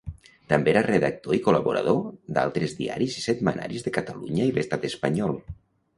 També era redactor i col·laborador d'altres diaris i setmanaris de Catalunya i l'estat espanyol.